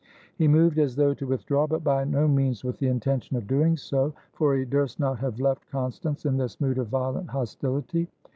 He moved as though to withdraw, but by no means with the intention of doing so, for he durst not have left Constance in this mood of violent hostility.